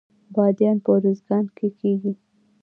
بادیان په ارزګان کې کیږي